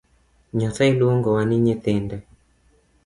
Nyasaye luongowa ni nyithinde